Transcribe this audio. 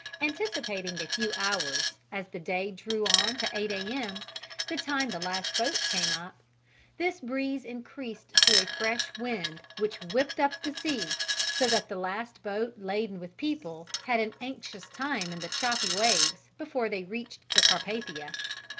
Anticipating a few hours, as the day drew on to 8 A.M., the time the last boats came up, this breeze increased to a fresh wind which whipped up the sea, so that the last boat laden with people had an anxious time in the choppy waves before they reached the Carpathia.